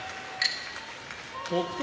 北勝